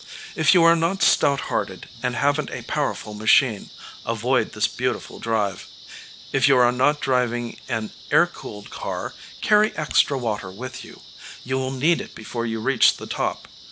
If you are not stout hearted, and haven't a powerful machine, avoid this beautiful drive. If you are not driving an air cooled car, carry extra water with you. You will need it before you reach the top.